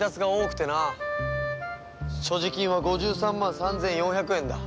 所持金は５３万３４００円だ。